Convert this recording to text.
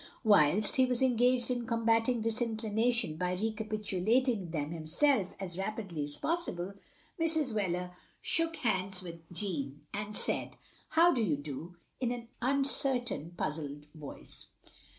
Whilst he was engaged in combating this inclination by recapitulating them himself as rapidly as possible, Mrs. Wheler shook hands with Jeanne, and said, "How do you do?" in an un certain puzzled voice.